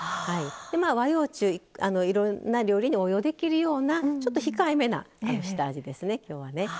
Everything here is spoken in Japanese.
和洋中、いろんな料理に応用できるような控えめな下味ですね、きょうは。